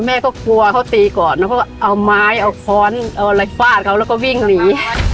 แม่ก็กลัวเขาตีก่อนแล้วเขาก็เอาไม้เอาค้อนเอาอะไรฟาดเขาแล้วก็วิ่งหนี